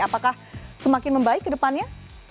apakah semakin membaik ke depannya